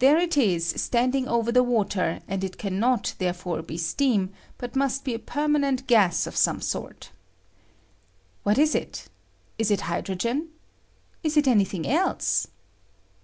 There it is standing over the water, and it can not therefore be steam, but must be a permanent gas of some sort. What is it? la it hydrogen? Is it any thing else?